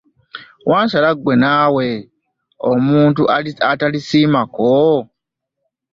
Wansala ggwe naawe, omuntu atalisiimako!